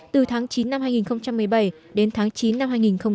từ tháng chín năm hai nghìn một mươi bảy đến tháng chín năm hai nghìn một mươi bảy